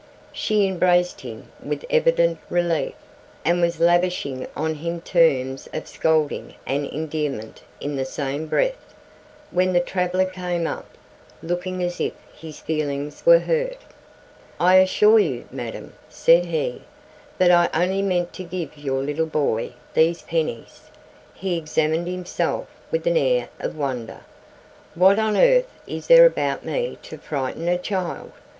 She embraced him with evident relief, and was lavishing on him terms of scolding and endearment in the same breath, when the traveler came up, looking as if his feelings were hurt. "I assure you, Madam," said he, "that I only meant to give your little boy these pennies." He examined himself with an air of wonder. "What on earth is there about me to frighten a child?"